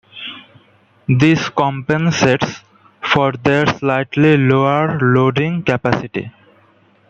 This compensates for their slightly lower loading capacity.